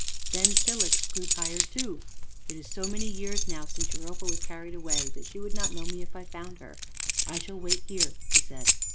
Then Cilix grew tired too. "It is so many years now since Europa was carried away that she would not know me if I found her. I shall wait here," he said.